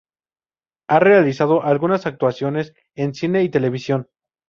Ha realizado algunas actuaciones en cine y televisión.